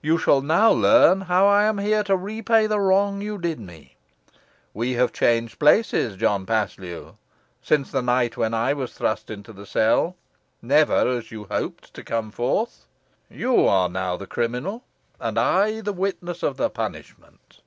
You shall now learn how I am here to repay the wrong you did me. We have changed places, John Paslew, since the night when I was thrust into the cell, never, as you hoped, to come forth. You are now the criminal, and I the witness of the punishment."